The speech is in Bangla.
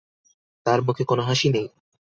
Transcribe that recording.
তার মুখে কোনো হাসি নেই!